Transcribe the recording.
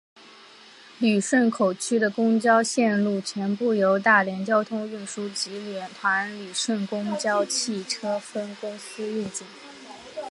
旅顺口区的公交线路全部由大连交通运输集团旅顺公交汽车分公司运营。